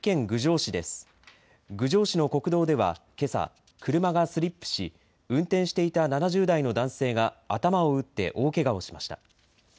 郡上市の国道ではけさ、車がスリップし運転していた７０代の男性が頭を打って大けがをしました。